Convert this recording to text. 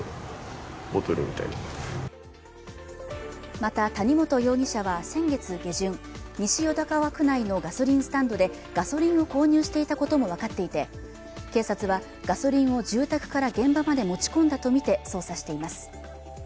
また、谷本容疑者は先月下旬、西淀川区内のガソリンスタンドでガソリンを購入していたことも分かっていて、警察はガソリンを住宅から現場まで持ち込んだとみて捜査しています。